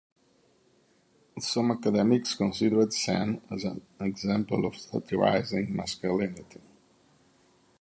Some academics considered Sam an example of satirizing masculinity.